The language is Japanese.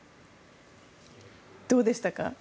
どうでしたか？